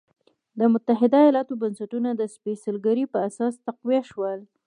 د متحده ایالتونو بنسټونه د سپېڅلې کړۍ پر اساس تقویه شول.